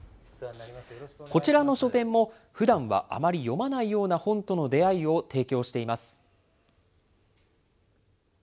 こちらの書店も、ふだんは、あまり読まないような本との出会いを提供しています。